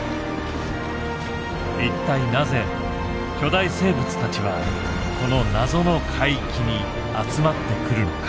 一体なぜ巨大生物たちはこの謎の海域に集まってくるのか。